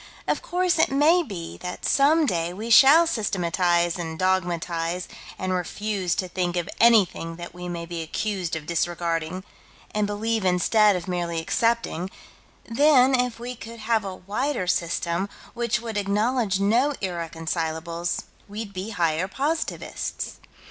Of course it may be that some day we shall systematize and dogmatize and refuse to think of anything that we may be accused of disregarding, and believe instead of merely accepting: then, if we could have a wider system, which would acknowledge no irreconcilables we'd be higher positivists.